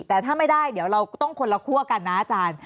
แต่ถ้าไม่ได้เดี๋ยวเราก็ต้องคนละคั่วกันนะอาจารย์